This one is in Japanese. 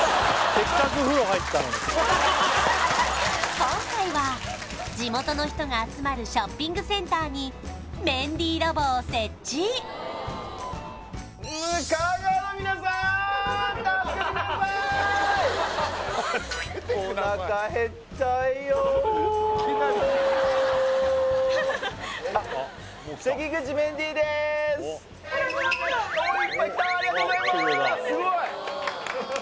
今回は地元の人が集まるショッピングセンターにメンディーロボを設置すごい！